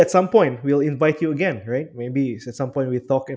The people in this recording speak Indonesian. seperti yang saya katakan